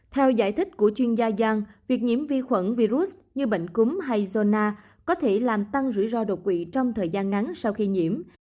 theo giải thích của chuyên gia giang việc nhiễm vi khuẩn virus như bệnh cúm hay gona có thể làm tăng rủi ro độc quỷ trong thời gian ngắn sau khi nhiễm